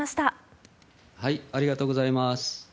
ありがとうございます。